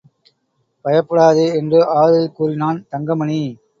பயப்படாதே என்று ஆறுதல் கூறினான் தங்கமணி.